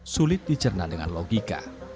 sulit dicerna dengan logika